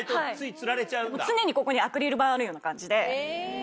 常にここにアクリル板あるような感じで。